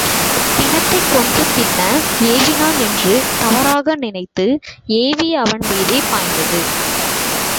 பிணத்தைக் கொன்று தின்ன ஏவினான் என்று தவறாக நினைத்து ஏவிய அவன் மீதே பாய்ந்தது.